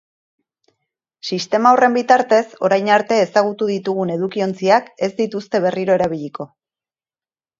Sistema horren bitartez, orain arte ezagutu ditugun edukiontziak ez dituzte berriro erabiliko.